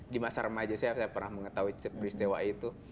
di masa remaja saya saya pernah mengetahui peristiwa itu